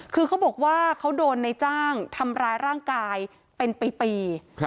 คือเขาบอกว่าเขาโดนในจ้างทำร้ายร่างกายเป็นปี